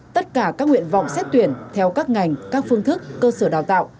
tất cả các nguyện vọng xét tuyển theo các ngành các phương thức cơ sở đào tạo